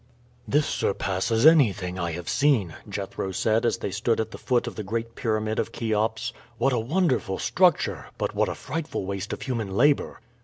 "This surpasses anything I have seen," Jethro said as they stood at the foot of the great pyramid of Cheops. "What a wonderful structure, but what a frightful waste of human labor!"